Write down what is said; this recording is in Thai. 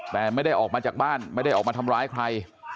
แต่ไม่ได้ออกมาจากบ้านไม่ได้ออกมาทำร้ายใคร